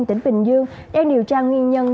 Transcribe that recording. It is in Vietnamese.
tỉnh bình dương đang điều tra nguyên nhân